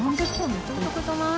めちゃお得じゃない？